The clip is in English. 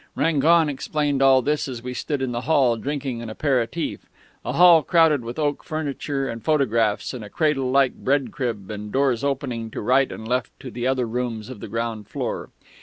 Rangon explained all this as we stood in the hall drinking an apéritif a hall crowded with oak furniture and photographs and a cradle like bread crib and doors opening to right and left to the other rooms of the ground floor.